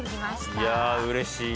いやあ、うれしい。